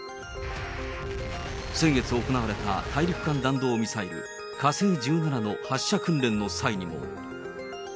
先月行われた大陸間弾道ミサイル、火星１７の発射訓練の際にも。